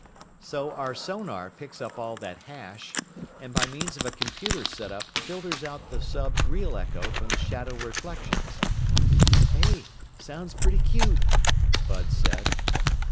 "So our sonar picks up all that hash, and by means of a computer setup filters out the sub's real echo from the shadow reflections." "Hey! Sounds pretty cute," Bud said.